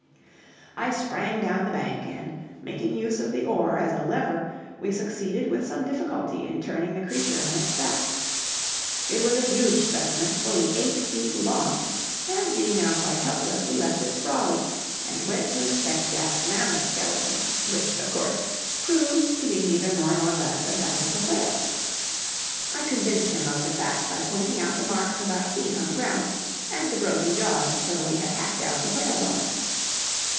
I sprang down the bank, and making use of the oar as a lever, we succeeded with some difficulty in turning the creature on its back. It was a huge specimen, fully eight feet long, and being now quite helpless, we left it sprawling, and went to inspect Jack's mammoth skeleton, which, of course, proved to be neither more nor less than that of the whale. I convinced him of the fact by pointing out the marks of our feet on the ground, and the broken jaws where we had hacked out the whalebone.